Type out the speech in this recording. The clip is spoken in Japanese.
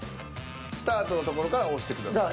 スタートの所から押してください。